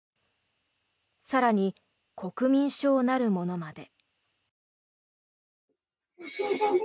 更に国民証なるものまで。